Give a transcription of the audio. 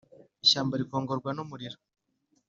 Ishyamba rikongorwa n’umuriro